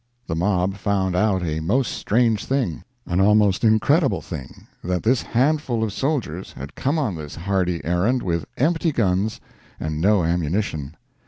The mob found out a most strange thing, an almost incredible thing that this handful of soldiers had come on this hardy errand with empty guns and no ammunition.